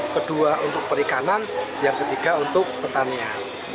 kedua untuk perikanan yang ketiga untuk pertanian